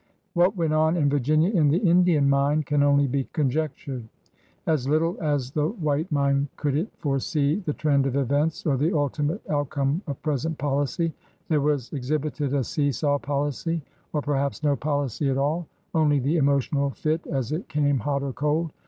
..." What went on, in Virginia, in the Indian mind, can only be conjectured. As little as the white mind could it foresee the trend of events or the ultimate outcome of present policy. There was exhibited a see saw policy, or perhaps no policy at all, only the emotional fit as it came hot or cold.